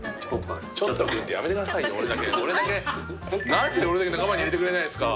何で俺だけ仲間に入れてくれないんすか。